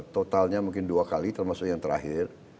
totalnya mungkin dua kali termasuk yang terakhir